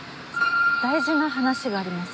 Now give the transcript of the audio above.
大事な話があります。